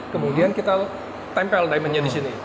kemudian kita tempel diamondnya di sini